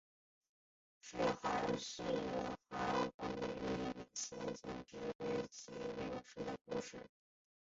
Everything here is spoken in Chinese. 是寒士韩翃与李生之婢妾柳氏的故事。